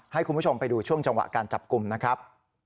ให้คุณผู้ชมไปดูช่วงจังหวะการจับกลุ่มนะครับ